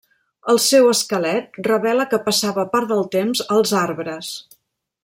El seu esquelet revela que passava part del temps als arbres.